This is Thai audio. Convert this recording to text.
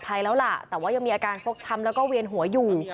แต่ว่ายังมีอาการฟกชำแล้วก็เวียนหัวอยู่